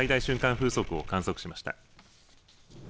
風速を観測しました。